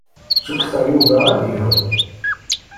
Cukkteɣ Yuba ad iru.